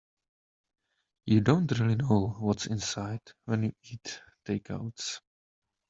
You don't really know what's inside when you eat takeouts.